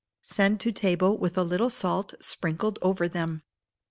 Send to table with a little salt sprinkled over them.